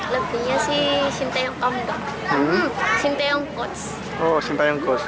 lebihnya sih sintayo kondok sintayo coach